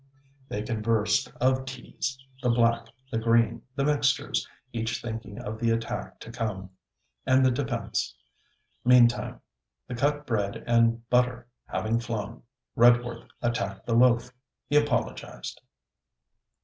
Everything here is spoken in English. They conversed of Teas; the black, the green, the mixtures; each thinking of the attack to come, and the defence. Meantime, the cut bread and butter having flown, Redwerth attacked the loaf. He apologized.